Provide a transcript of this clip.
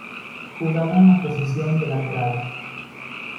Jugaba en la posición de lateral.